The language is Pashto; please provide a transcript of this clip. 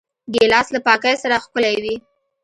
ګیلاس له پاکۍ سره ښکلی وي.